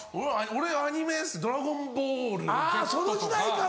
俺アニメです『ドラゴンボールＺ』とか。